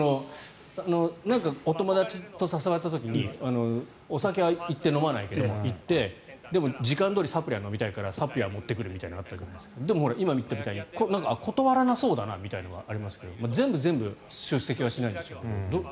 お友達と誘われた時にお酒は行って飲まないけどでも、時間どおりにサプリは飲みたいからサプリは持ってくるみたいなのはあったけどでも、今言ったみたいに断らなそうだなみたいなのはありますが全部が全部出席はしないんでしょうけど。